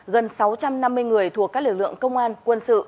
gần sáu trăm năm mươi người thuộc các lực lượng công an quân sự